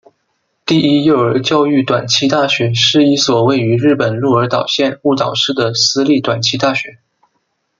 第一幼儿教育短期大学是一所位于日本鹿儿岛县雾岛市的私立短期大学。